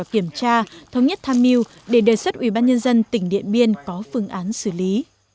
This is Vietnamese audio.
tham gia thống nhất tham mưu để đề xuất ủy ban nhân dân tỉnh điện biên có phương án xử lý